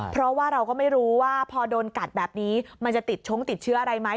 เพราะว่าเราก็ไม่รู้ว่าพอโดนกัดแบบนี้มันจะติดชงติดเชื้ออะไรไหม